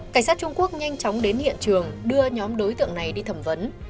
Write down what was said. cảnh sát trung quốc nhanh chóng đến hiện trường đưa nhóm đối tượng này đi thẩm vấn